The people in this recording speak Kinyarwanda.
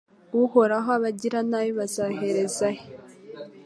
Uhoraho abagiranabi bazahereza he